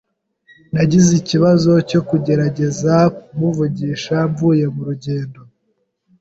Nagize ikibazo cyo kugerageza kumuvugisha mvuye murugendo.